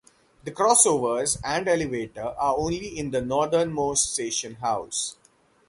The crossovers and elevator are only in the northernmost station house.